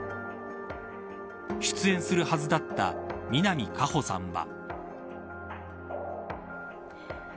出演するはずだった南果歩さんは。